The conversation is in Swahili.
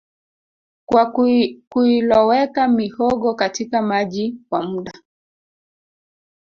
kwa kuiloweka mihogo katika maji kwa muda